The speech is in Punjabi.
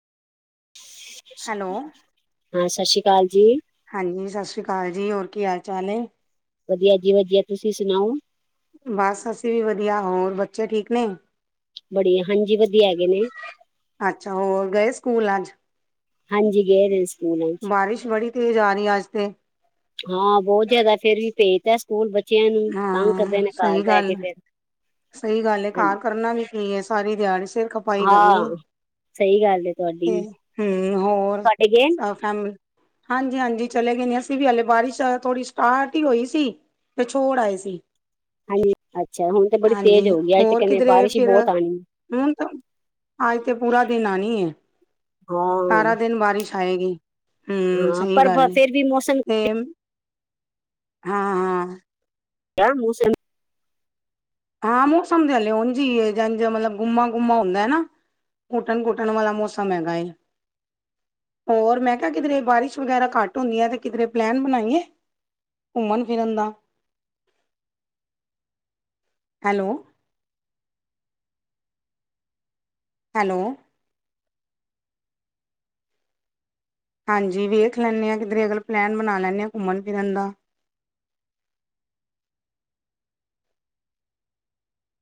ਹੈਲੋ ਹਾਂ, ਸਤਿ ਸ਼੍ਰੀ ਅਕਾਲ ਜੀ। ਹਾਂਜੀ, ਸਤਿ ਸ੍ਰੀ ਅਕਾਲ ਜੀ, ਹੋਰ ਕੀ ਹਾਲ ਚਾਲ ਏ? ਵਧੀਆ ਜੀ ਵਧੀਆ, ਤੁਸੀਂ ਸੁਣਾਓ? ਬਸ ਅਸੀਂ ਵੀ ਵਧੀਆ, ਹੋਰ ਬੱਚੇ ਠੀਕ ਨੇ? ਬੜੀ ਹਾਂਜੀ ਵਧੀਆ ਹੈਗੇ ਨੇ ਅੱਛਾ, ਹੋਰ ਗਏ ਸਕੂਲ ਅੱਜ? ਹਾਂਜੀ, ਗਏ ਦੇ ਸੀ। ਬਾਰਿਸ਼ ਬੜੀ ਤੇਜ਼ ਆ ਰਹੀ, ਅੱਜ ਤੇ ਹਾਂ ਬਹੁਤ ਜਿਆਦਾ, ਫੇਰ ਵੀ ਪੇਜਤਾ ਸਕੂਲ ਬੱਚਿਆਂ ਨੂੰ ਤੰਗ ਕਰਦੇ ਹਾਂ ਨੇ, ਘਰ ਸਹੀ ਬੈ ਕੇ ਗੱਲ ਫਿਰ, ਸਹੀ ਗੱਲ ਹੈ ਹਾਂਜੀ। ਘਰ ਕਰਨਾ ਵੀ ਕੀ ਏ, ਸਾਰੀ ਦਿਹਾੜ ਸਿਰ ਖ ਪਾਈ ਕਰਨੀ, ਹਾਂ ਸਹੀ ਗੱਲ ਹੈ ਤੁਹਾਡੀ ਤੇ ਵੀ ਹਮ, ਹੋਰ ਤੁਹਾਡੇ ਗਏ ਨੇ ਕੰਮ, ਹਾਂਜੀ -ਹਾਂਜੀ ਚਲੇ ਗਏ ਨੇ, ਅਸੀਂ ਵੀ ਹਾਲੇ ਬਾਰਿਸ਼ ਥੋੜ੍ਹੀ ਸਟਾਰਟ ਹੀ ਹੋਈ ਸੀ। ਫਿਰ ਛੋੜ ਆਏ ਸੀ। ਹਾਂਜੀ, ਅੱਛਾ, ਹੁਣ ਤੇ ਬੜੀ ਹਾਂਜੀ ਤੇਜ਼ ਹੋ ਗਈ। ਅੱਜ ਤੇ ਹੋਰ ਕਹਿੰਦੇ ਕਿਧਰੇ ਬਾਰਿਸ਼ ਹੀ ਫਿਰ ਬਹੁਤ ਆਣੀ। ਹੁਣ ਤੇ, ਅੱਜ ਤੇ ਪੂਰਾ ਦਿਨ ਆਣੀ ਏ। ਹਾਂ ਸਾਰਾ ਦਿਨ ਬਾਰਿਸ਼ ਆਏਗੀ, ਹਮ, ਹਾਂ ਸਹੀ ਪਰ ਬ- ਗੱਲ ਏ। ਫੇਰ ਵੀ ਮੌਸਮ ਤੇ, ਹਾਂ ਹਾਂ ਕ ਮੋਸਮ ਹਾਂ ਮੌਸਮ ਤੇ ਹਲੇ ਓਝ ਹੀ ਏ, ਜਾਂ ਜਿਵੇਂ ਮਤਲਬ ਗੁੰਮਾ -ਗੁੰਮਾ ਹੁੰਦਾ ਨਾ। ਘੁਟਣ-ਘੁਟਣ ਵਾਲਾ ਮੌਸਮ ਹੈਗਾ ਏ। ਹੋਰ ਮੈਂ ਕਿਹਾ, ਕਿਧਰੇ ਬਾਰਿਸ਼ ਵਗੈਰਾ ਘੱਟ ਹੁੰਦੀ ਹੈ ਤੇ ਕਿਧਰੇ ਪਲੈਨ ਬਣਾਈਏ। ਘੁੰਮਣ ਫਿਰਨ ਦਾ? Hello hello. ਹਾਂਜੀ ਵੇਖ ਲੈਂਦੇ ਹਾਂ ਕਿਧਰੇ, ਅਗਰ ਪਲੈਨ ਬਣਾ ਲੈਂਦੇ ਹਾਂ ਘੁੰਮਣ ਫਿਰਨ ਦਾ।